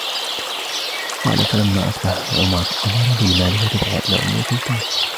قَالَ فَلَمَّا أَصْبَحَ عُمَرُ أَمَرَ بِالْمَالِ فَدُفِعَ إلَى أُمِّ كُلْثُومٍ